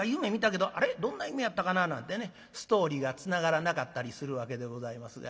どんな夢やったかな」なんてねストーリーがつながらなかったりするわけでございますが。